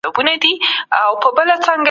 تېروتنه د انسان خاصیت دی.